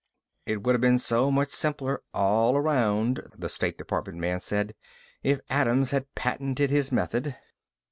"It would have been so much simpler all around," the state department man said, "if Adams had patented his method."